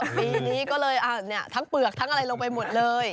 ปีนี้ก็เลยทั้งเปลือกทั้งอะไรลงไปหมดเลย